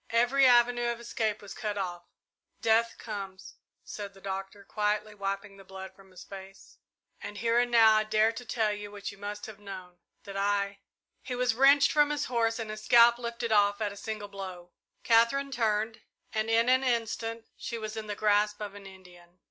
Every avenue of escape was cut off. "Death comes," said the Doctor, quietly, wiping the blood from his face; "and here and now I dare to tell you what you must have known, that I " He was wrenched from his horse and his scalp lifted off at a single blow. Katherine turned, and in an instant she was in the grasp of an Indian.